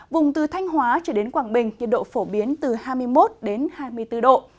vùng từ thanh hóa trở đến quảng bình nhiệt độ phổ biến từ hai mươi một hai mươi bốn độ